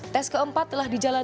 tes keempat telah dijadikan